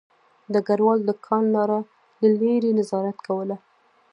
ډګروال د کان لاره له لیرې نظارت کوله